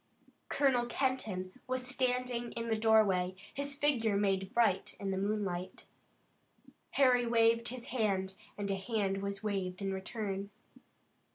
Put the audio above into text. Colonel Kenton was standing in the doorway, his figure made bright in the moonlight. Harry waved his hand and a hand was waved in return.